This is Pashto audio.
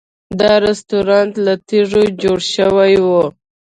دا رسټورانټ له تیږو جوړ شوی و.